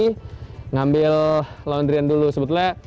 jadi ngambil laundry an dulu sebetulnya